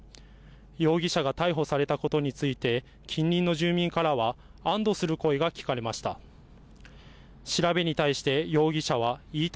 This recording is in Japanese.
容疑者が逮捕されたことについて、近隣の住民からは安どする声が聞かれました。